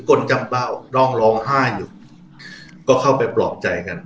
กลจำเป้าน้องร้องไห้อยู่ก็เข้าไปปลอบใจกัน